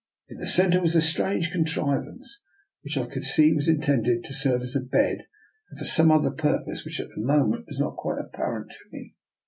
In the centre was a strange contrivance which I could see was intended to serve as a bed, and for some other purpose, which at the moment was not quite apparent to me.